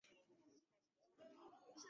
巨型羽翅鲎则发现于维吉尼亚州。